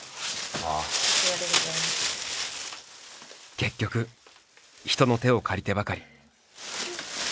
結局人の手を借りてばかり。